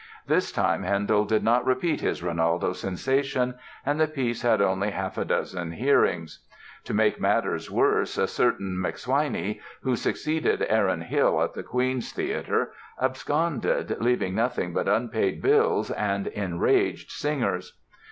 This time Handel did not repeat his "Rinaldo" sensation and the piece had only half a dozen hearings. To make matters worse, a certain MacSwiney, who succeeded Aaron Hill at the Queen's Theatre, absconded, leaving nothing but unpaid bills and enraged singers.